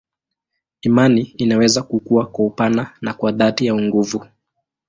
Imani inaweza kukua kwa upana na kwa dhati au nguvu.